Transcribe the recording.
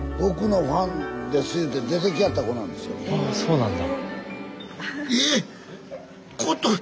あそうなんだ。